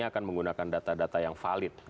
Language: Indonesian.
akan menggunakan data data yang valid